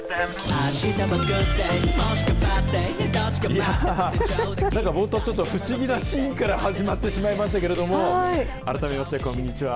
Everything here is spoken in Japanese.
いやぁ、なんか冒頭、ちょっと不思議なシーンから始まってしまいましたけれども、改めまして、こんにちは。